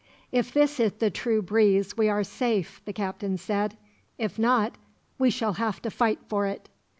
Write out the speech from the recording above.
"If this is the true breeze we are safe," the captain said. "If not, we shall have to fight for it."